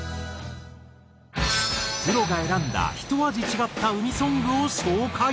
プロが選んだ一味違った海ソングを紹介！